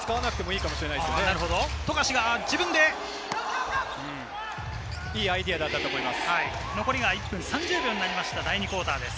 いいアイデアだったと思います。